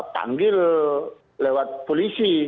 panggil lewat polisi